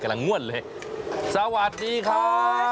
สวัสดีครับสวัสดีครับ